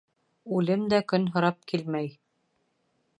Үлем дә көн һорап килмәй.